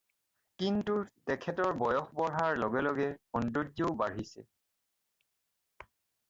কিন্তু তেখেতৰ বয়স বঢ়াৰ লগে লগে সৌন্দৰ্য্যও বাঢ়িছে।